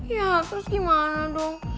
ya terus gimana dong